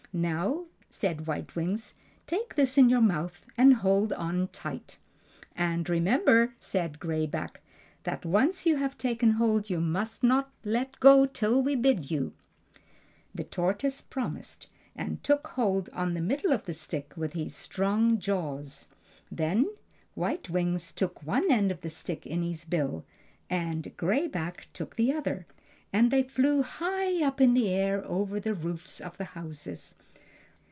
"Now," said White Wings, "take this in your mouth and hold on tight!" "And remember," said Gray Back, "that once you have taken hold you must not let go till we bid you." The tortoise promised and took hold on the middle of the stick with his strong jaws. Then White Wings took one end of the stick in his bill and Gray Back took the other, and they flew high up in the air over the roofs of the houses.